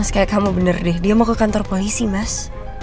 kayak kamu bener deh dia mau ke kantor polisi mas